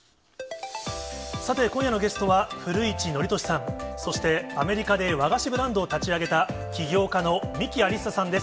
さて、今夜のゲストは、古市憲寿さん、そしてアメリカで和菓子ブランドを立ち上げた、起業家の三木アリッサさんです。